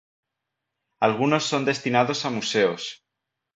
Algunos son destinados a museos.